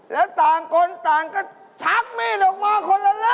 แล้วต่างคนต่างก็ชักมีดออกมาคนละเล่